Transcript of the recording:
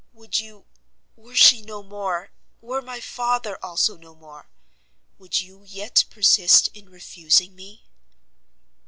Would you, were she no more, were my father also no more, would you yet persist in refusing me?"